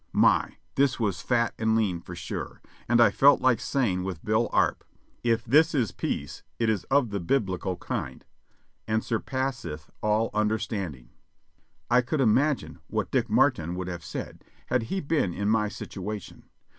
My! this was "fat and lean" for sure, and I felt like saying with Bill Arp : "If this is peace it is of the biblical kind and 'surpasseth all understand I could imagine what Dick Martin would have said had he been in my situation.